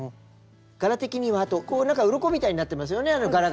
柄的にはあとうろこみたいになってますよね柄が。